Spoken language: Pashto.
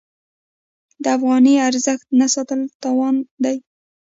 د افغانۍ ارزښت نه ساتل تاوان دی.